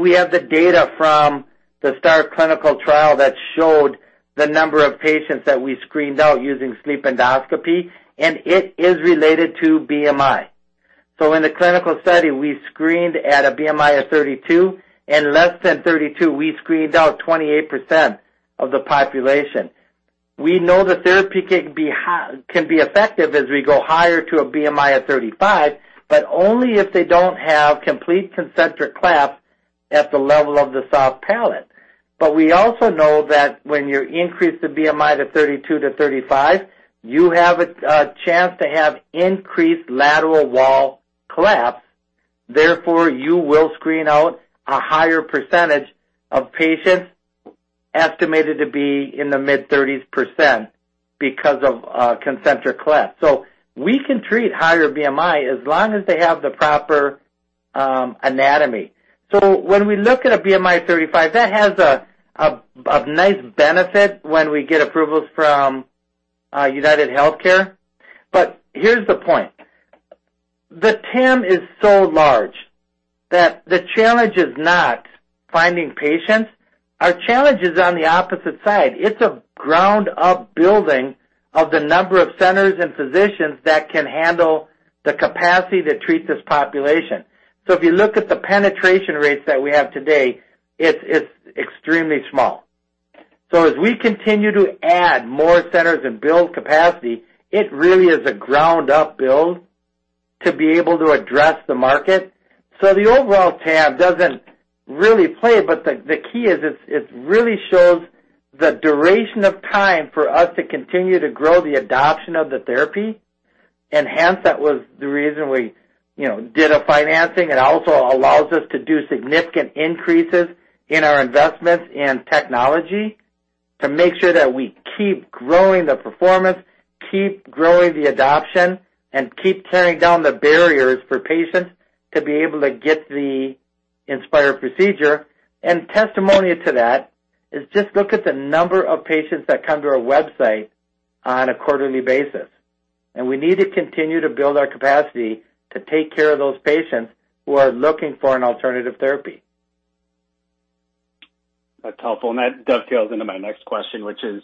We have the data from the STAR clinical trial that showed the number of patients that we screened out using sleep endoscopy, and it is related to BMI. In the clinical study, we screened at a BMI of 32, and less than 32, we screened out 28% of the population. We know the therapy can be effective as we go higher to a BMI of 35, only if they don't have complete concentric collapse at the level of the soft palate. We also know that when you increase the BMI to 32-35, you have a chance to have increased lateral wall collapse. Therefore, you will screen out a higher percentage of patients estimated to be in the mid-30s% because of concentric collapse. We can treat higher BMI as long as they have the proper anatomy. When we look at a BMI 35, that has a nice benefit when we get approvals from UnitedHealthcare. Here's the point. The TAM is so large that the challenge is not finding patients. Our challenge is on the opposite side. It's a ground-up building of the number of centers and physicians that can handle the capacity to treat this population. If you look at the penetration rates that we have today, it's extremely small. As we continue to add more centers and build capacity, it really is a ground-up build to be able to address the market. The overall TAM doesn't really play, but the key is it really shows the duration of time for us to continue to grow the adoption of the therapy. Hence, that was the reason we did a financing. It also allows us to do significant increases in our investments in technology. To make sure that we keep growing the performance, keep growing the adoption, and keep tearing down the barriers for patients to be able to get the Inspire procedure. Testimonial to that is just look at the number of patients that come to our website on a quarterly basis. We need to continue to build our capacity to take care of those patients who are looking for an alternative therapy. That's helpful. That dovetails into my next question, which is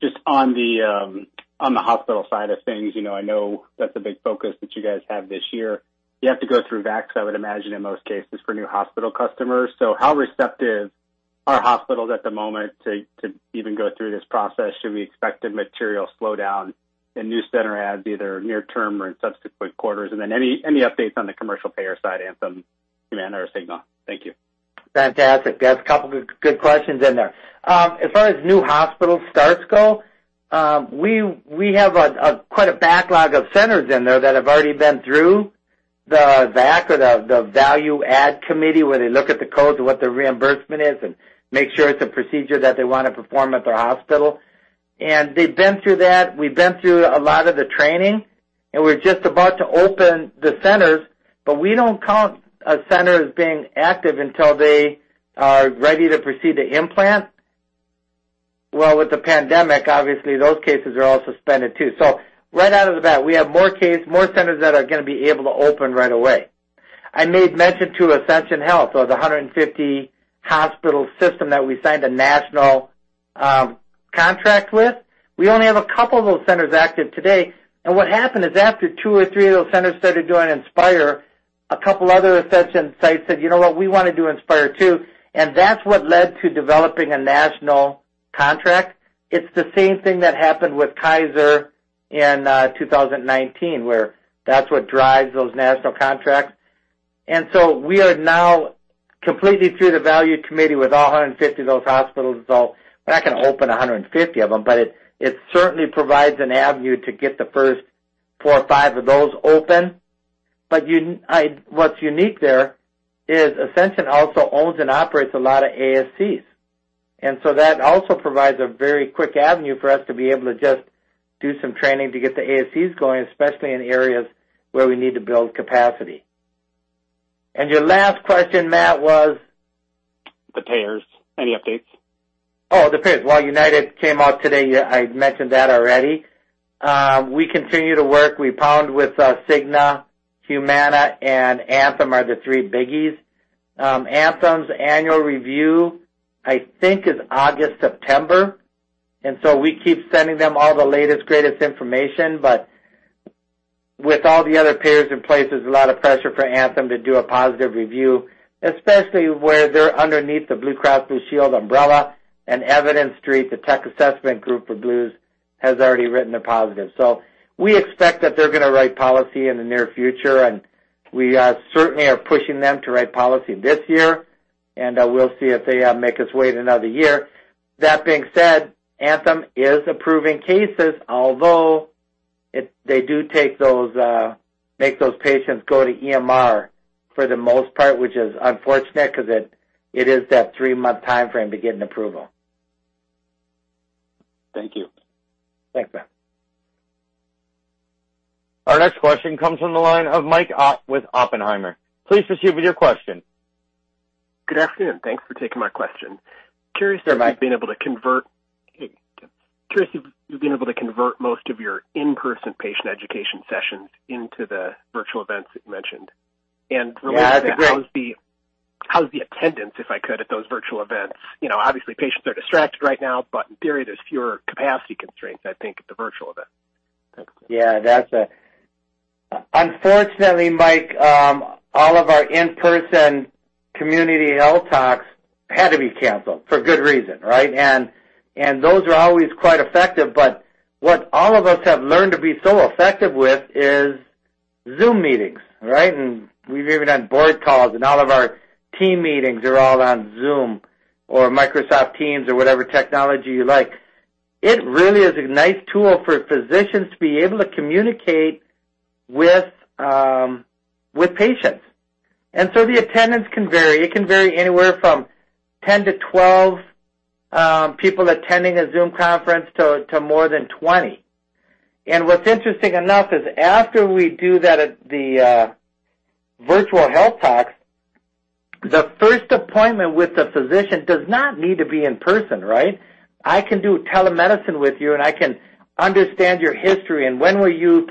just on the hospital side of things, I know that's a big focus that you guys have this year. You have to go through VAC, I would imagine, in most cases, for new hospital customers. How receptive are hospitals at the moment to even go through this process? Should we expect a material slowdown in new center adds, either near term or in subsequent quarters? Any updates on the commercial payer side, Anthem, Humana, or Cigna? Thank you. Fantastic. That's a couple of good questions in there. As far as new hospital starts go, we have quite a backlog of centers in there that have already been through the VAC or the Value Analysis Committee, where they look at the codes and what the reimbursement is and make sure it's a procedure that they want to perform at their hospital. They've been through that. We've been through a lot of the training, and we're just about to open the centers, but we don't count a center as being active until they are ready to proceed to implant. With the pandemic, obviously, those cases are all suspended too. Right out of the bat, we have more centers that are going to be able to open right away. I made mention to Ascension Health, so the 150-hospital system that we signed a national contract with. We only have a couple of those centers active today. What happened is after two or three of those centers started doing Inspire, a couple other Ascension sites said, "You know what? We want to do Inspire, too." That's what led to developing a national contract. It's the same thing that happened with Kaiser in 2019, where that's what drives those national contracts. We are now completely through the Value Committee with all 150 of those hospitals. We're not going to open 150 of them, but it certainly provides an avenue to get the first four or five of those open. What's unique there is Ascension also owns and operates a lot of ASCs. That also provides a very quick avenue for us to be able to just do some training to get the ASCs going, especially in areas where we need to build capacity. Your last question, Matt, was? The payers. Any updates? Oh, the payers. Well, United came out today. I mentioned that already. We continue to work. We pound with Cigna, Humana, and Anthem are the three biggies. Anthem's annual review, I think, is August/September. We keep sending them all the latest, greatest information. With all the other payers in place, there's a lot of pressure for Anthem to do a positive review, especially where they're underneath the Blue Cross Blue Shield umbrella and Evidence Street, the tech assessment group for Blues, has already written a positive. We expect that they're going to write policy in the near future, and we certainly are pushing them to write policy this year, and we'll see if they make us wait another year. That being said, Anthem is approving cases, although they do make those patients go to EMR for the most part. Which is unfortunate because it is that three-month timeframe to get an approval. Thank you. Thanks, Matt. Our next question comes from the line of Mike Ott with Oppenheimer. Please proceed with your question. Good afternoon. Thanks for taking my question. Sure, Mike. Curious if you've been able to convert most of your in-person patient education sessions into the virtual events that you mentioned? Yeah. Related to how's the attendance, if I could, at those virtual events? Obviously, patients are distracted right now, but in theory, there's fewer capacity constraints, I think, at the virtual event. Yeah. That's it. Unfortunately, Mike, all of our in-person community health talks had to be canceled for good reason, right? Those are always quite effective, but what all of us have learned to be so effective with is Zoom meetings, right? We've even had board calls, and all of our team meetings are all on Zoom or Microsoft Teams or whatever technology you like. It really is a nice tool for physicians to be able to communicate with patients. The attendance can vary. It can vary anywhere from 10 to 12 people attending a Zoom conference to more than 20. What's interesting enough is after we do the virtual health talks, the first appointment with the physician does not need to be in person, right? I can do telemedicine with you, and I can understand your history and when were you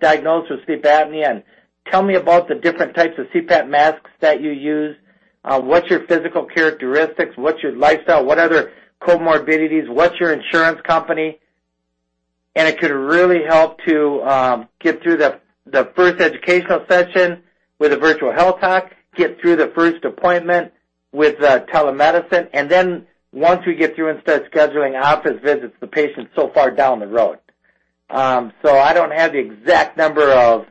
diagnosed with sleep apnea, and tell me about the different types of CPAP masks that you use. What's your physical characteristics? What's your lifestyle? What other comorbidities? What's your insurance company? It could really help to get through the first educational session with a virtual health talk, get through the first appointment with telemedicine, and then once we get through and start scheduling office visits, the patient's so far down the road. I don't have the exact number of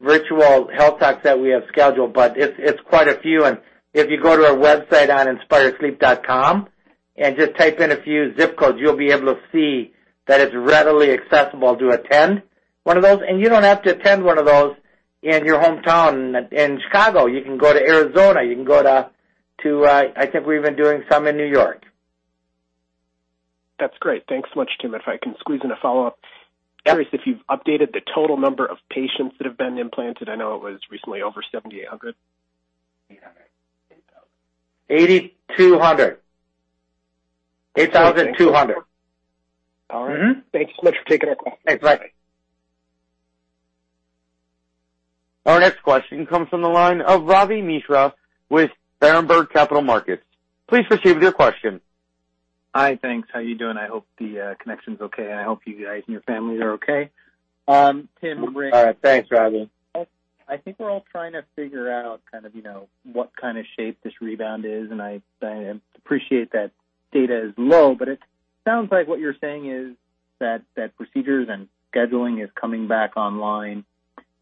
virtual health talks that we have scheduled, but it's quite a few. If you go to our website on inspiresleep.com and just type in a few zip codes, you'll be able to see that it's readily accessible to attend one of those. You don't have to attend one of those in your hometown in Chicago. You can go to Arizona, you can go to, I think we've been doing some in New York. That's great. Thanks so much, Tim. If I can squeeze in a follow-up. Yes. I'm curious if you've updated the total number of patients that have been implanted? I know it was recently over 7,800. 8,200. Mm-hmm. All right. Thank you so much for taking our call. Thanks. Bye. Our next question comes from the line of Ravi Misra with Berenberg Capital Markets. Please proceed with your question. Hi, thanks. How you doing? I hope the connection's okay, and I hope you guys and your families are okay. Tim. Great. All right. Thanks, Ravi. I think we're all trying to figure out what kind of shape this rebound is, and I appreciate that data is low, but it sounds like what you're saying is that procedures and scheduling is coming back online.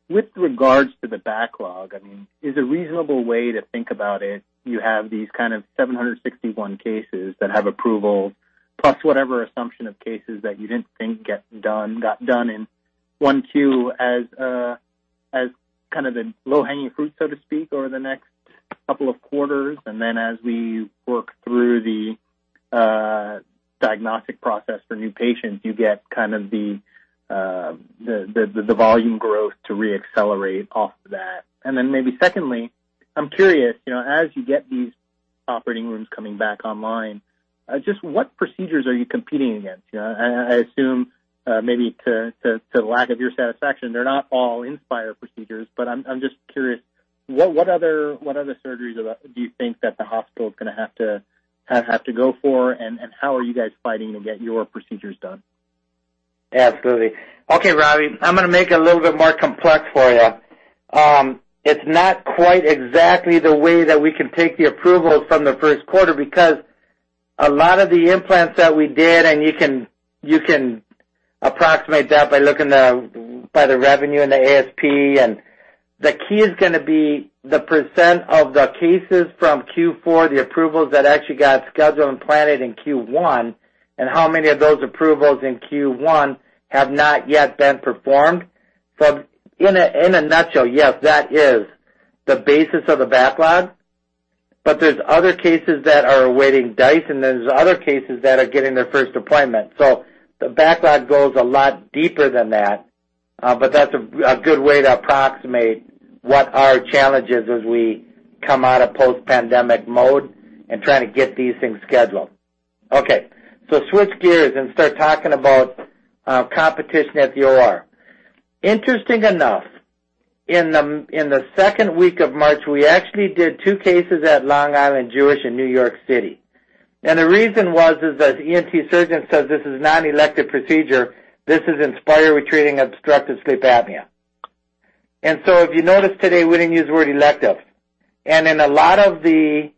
With regards to the backlog, is a reasonable way to think about it, you have these 761 cases that have approval, plus whatever assumption of cases that you didn't think got done in 1Q as kind of the low-hanging fruit, so to speak, over the next couple of quarters. As we work through the diagnostic process for new patients, you get the volume growth to re-accelerate off that. Maybe secondly, I'm curious, as you get these operating rooms coming back online, just what procedures are you competing against? I assume maybe to the lack of your satisfaction, they're not all Inspire procedures, but I'm just curious, what other surgeries do you think that the hospital's going to have to go for, and how are you guys fighting to get your procedures done? Absolutely. Okay, Ravi, I'm going to make it a little bit more complex for you. It's not quite exactly the way that we can take the approvals from the first quarter, because a lot of the implants that we did, and you can approximate that by the revenue and the ASP, and the key is going to be the percent of the cases from Q4, the approvals that actually got scheduled and planted in Q1, and how many of those approvals in Q1 have not yet been performed. In a nutshell, yes, that is the basis of the backlog, but there's other cases that are awaiting DISE, and there's other cases that are getting their first appointment. The backlog goes a lot deeper than that, but that's a good way to approximate what our challenge is as we come out of post-pandemic mode and trying to get these things scheduled. Okay. Switch gears and start talking about competition at the OR. Interesting enough, in the second week of March, we actually did two cases at Long Island Jewish in New York City. The reason was is that ENT surgeon says this is non-elective procedure. This is Inspire we're treating obstructive sleep apnea. If you notice today, we didn't use the word elective. In a lot of the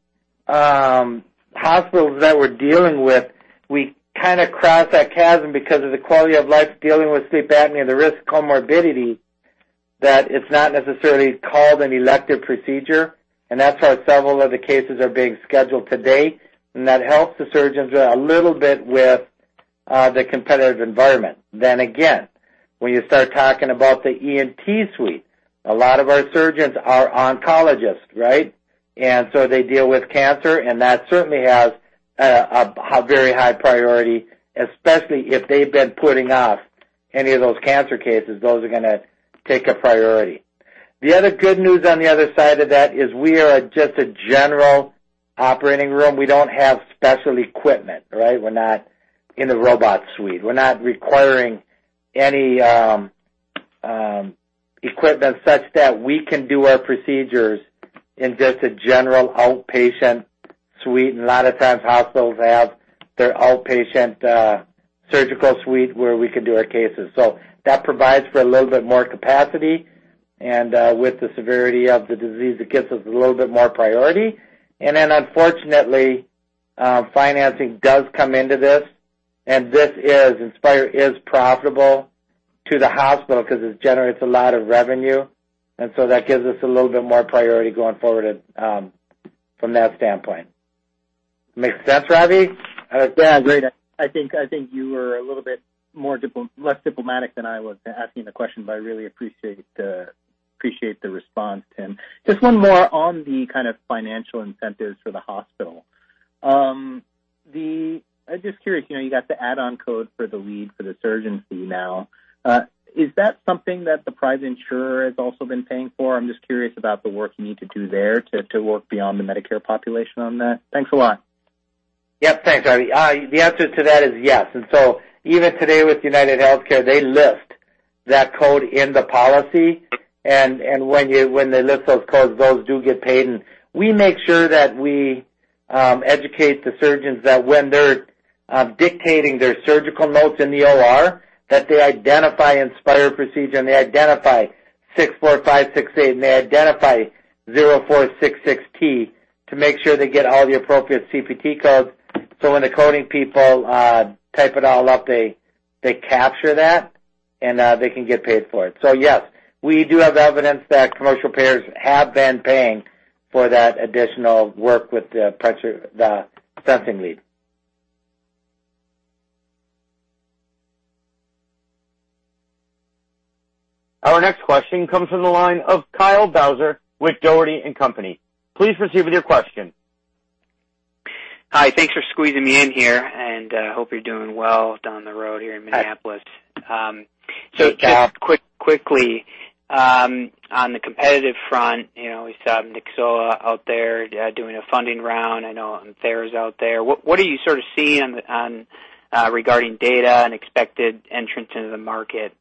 hospitals that we're dealing with, we kind of crossed that chasm because of the quality of life dealing with sleep apnea, the risk comorbidity, that it's not necessarily called an elective procedure, and that's why several of the cases are being scheduled today, and that helps the surgeons a little bit with the competitive environment. When you start talking about the ENT suite, a lot of our surgeons are oncologists, right? They deal with cancer, and that certainly has a very high priority, especially if they've been putting off any of those cancer cases. Those are going to take a priority. The other good news on the other side of that is we are just a general operating room. We don't have special equipment, right? We're not in the robot suite. We're not requiring any equipment such that we can do our procedures in just a general outpatient suite, and a lot of times hospitals have their outpatient surgical suite where we can do our cases. That provides for a little bit more capacity, and with the severity of the disease, it gives us a little bit more priority. Unfortunately, financing does come into this, and Inspire is profitable to the hospital because it generates a lot of revenue, and so that gives us a little bit more priority going forward from that standpoint. Make sense, Ravi? Yeah, great. I think you were a little bit less diplomatic than I was asking the question, but I really appreciate the response, Tim. Just one more on the kind of financial incentives for the hospital. I'm just curious, you got the add-on code for the lead for the surgeon fee now. Is that something that the private insurer has also been paying for? I'm just curious about the work you need to do there to work beyond the Medicare population on that. Thanks a lot. Thanks, Ravi. The answer to that is yes. Even today with UnitedHealthcare, they list that code in the policy, and when they list those codes, those do get paid. We make sure that we educate the surgeons that when they're dictating their surgical notes in the OR, that they identify Inspire procedure, and they identify 64568, and they identify 0466T to make sure they get all the appropriate CPT codes. When the coding people type it all up, they capture that, and they can get paid for it. Yes, we do have evidence that commercial payers have been paying for that additional work with the sensing lead. Our next question comes from the line of Kyle Bauser with Dougherty & Co. Please proceed with your question. Hi. Thanks for squeezing me in here, and I hope you're doing well down the road here in Minneapolis. Hey, Kyle. Just quickly, on the competitive front, we saw Nyxoah out there doing a funding round. I know ImThera's out there. What do you sort of see regarding data and expected entrance into the market?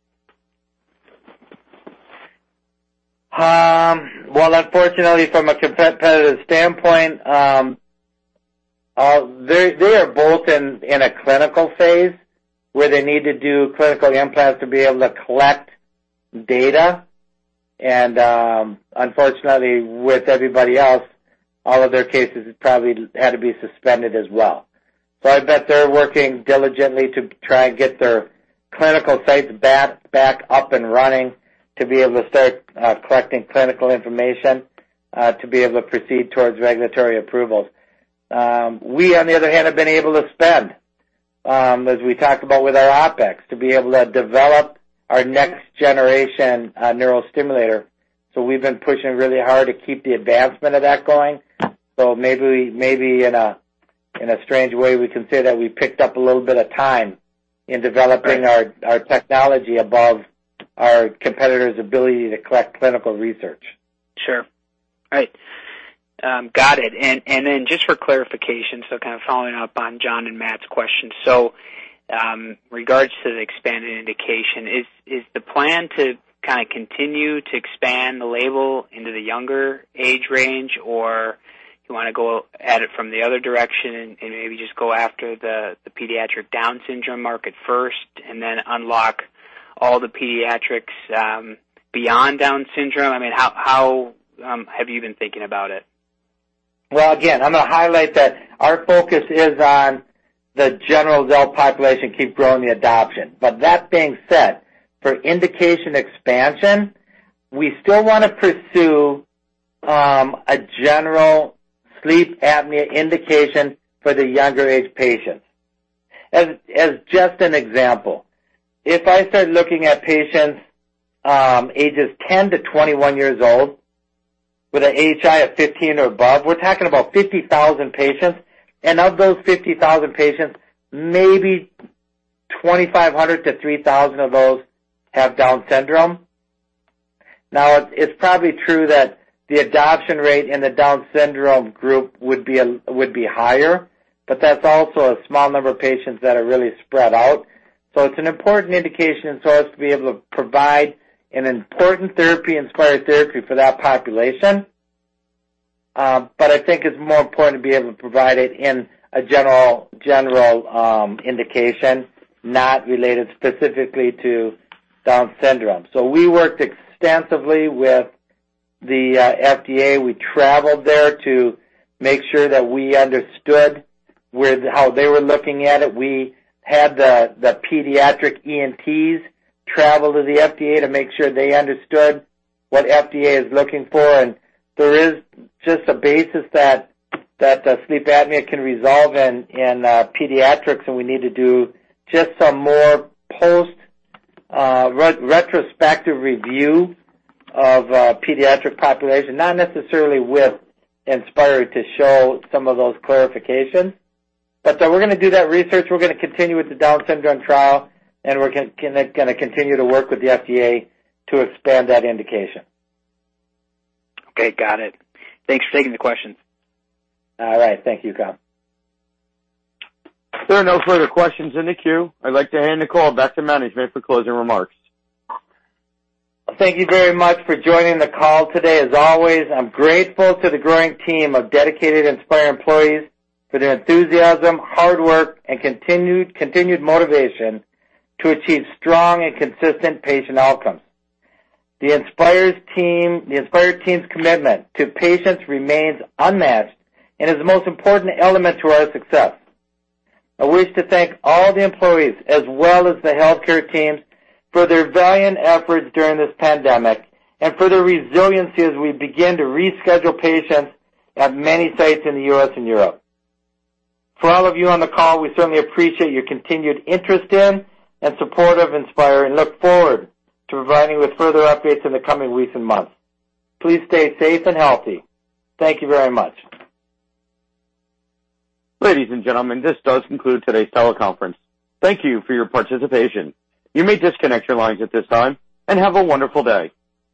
Unfortunately, from a competitive standpoint, they are both in a clinical phase where they need to do clinical implants to be able to collect data. Unfortunately, with everybody else, all of their cases have probably had to be suspended as well. I bet they're working diligently to try and get their clinical sites back up and running to be able to start collecting clinical information, to be able to proceed towards regulatory approvals. We, on the other hand, have been able to spend, as we talked about with our OpEx, to be able to develop our next-generation neurostimulator. We've been pushing really hard to keep the advancement of that going. Maybe in a strange way, we can say that we picked up a little bit of time in developing our technology above our competitors' ability to collect clinical research. Sure. All right. Got it. Just for clarification, kind of following up on Jon and Matt's question. Regards to the expanded indication, is the plan to kind of continue to expand the label into the younger age range? Or do you want to go at it from the other direction and maybe just go after the pediatric Down syndrome market first and then unlock all the pediatrics beyond Down syndrome? I mean, how have you been thinking about it? Well, again, I'm going to highlight that our focus is on the general adult population, keep growing the adoption. That being said, for indication expansion, we still want to pursue a general sleep apnea indication for the younger age patients. As just an example, if I start looking at patients ages 10-21 years old with an AHI of 15 or above, we're talking about 50,000 patients. Of those 50,000 patients, maybe 2,500-3,000 of those have Down syndrome. Now, it's probably true that the adoption rate in the Down syndrome group would be higher, but that's also a small number of patients that are really spread out. It's an important indication to us to be able to provide an important therapy, Inspire therapy, for that population. I think it's more important to be able to provide it in a general indication not related specifically to Down syndrome. We worked extensively with the FDA. We traveled there to make sure that we understood how they were looking at it. We had the pediatric ENTs travel to the FDA to make sure they understood what FDA is looking for, and there is just a basis that sleep apnea can resolve in pediatrics, and we need to do just some more post retrospective review of pediatric population, not necessarily with Inspire to show some of those clarifications. We're going to do that research. We're going to continue with the Down syndrome trial, and we're going to continue to work with the FDA to expand that indication. Okay. Got it. Thanks for taking the question. All right. Thank you, Kyle. There are no further questions in the queue. I'd like to hand the call back to management for closing remarks. Thank you very much for joining the call today. As always, I'm grateful to the growing team of dedicated Inspire employees for their enthusiasm, hard work, and continued motivation to achieve strong and consistent patient outcomes. The Inspire team's commitment to patients remains unmatched and is the most important element to our success. I wish to thank all the employees as well as the healthcare teams for their valiant efforts during this pandemic and for their resiliency as we begin to reschedule patients at many sites in the U.S. and Europe. For all of you on the call, we certainly appreciate your continued interest in and support of Inspire and look forward to providing you with further updates in the coming weeks and months. Please stay safe and healthy. Thank you very much. Ladies and gentlemen, this does conclude today's teleconference. Thank you for your participation. You may disconnect your lines at this time, and have a wonderful day.